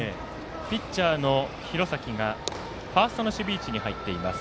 ピッチャーの廣崎がファーストの守備位置に入っています。